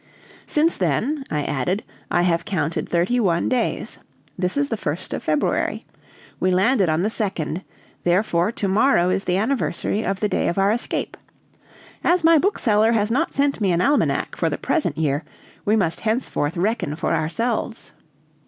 "Since then," I added, "I have counted thirty one days. This is the 1st of February. We landed on the 2d, therefore to morrow is the anniversary of the day of our escape. As my bookseller has not sent me an almanac for the present year, we must henceforth reckon for ourselves."